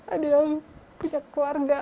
ada yang punya keluarga